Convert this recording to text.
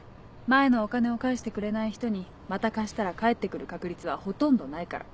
前のお金を返してくれない人にまた貸したら返って来る確率はほとんどないから。